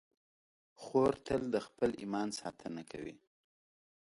خور تل د خپل ایمان ساتنه کوي.